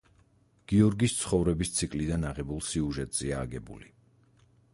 გიორგის ცხოვრების ციკლიდან აღებულ სიუჟეტზეა აგებული.